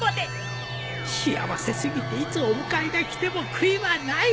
幸せ過ぎていつお迎えが来ても悔いはない